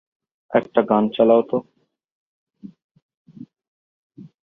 সে-বছর তাঁর লেখা উপন্যাসটির নাম ছিল ‘দ্য বুক অব সিক্রেটস’।